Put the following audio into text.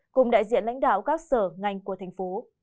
cùng đại diện lãnh đạo các sở ngành của tp